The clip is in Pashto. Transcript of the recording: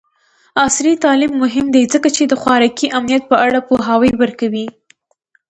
عصري تعلیم مهم دی ځکه چې د خوراکي امنیت په اړه پوهاوی ورکوي.